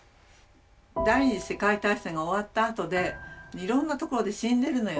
第二次世界大戦が終わったあとでいろんなところで死んでるのよね。